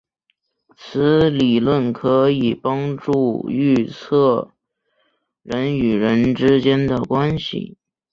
此理论可以帮助预测人与人之间的关系。